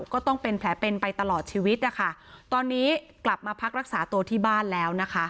ก็ต้องเป็นแผลเป็นไปตลอดชีวิตนะคะตอนนี้กลับมาพักรักษาตัวที่บ้านแล้วนะคะ